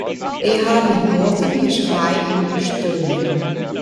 Eher mit großem Geschrei und Gestöhne.